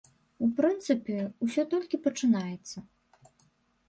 У прынцыпе, усё толькі пачынаецца.